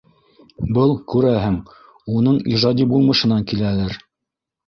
Был, күрәһең, уның ижади булмышынан киләлер.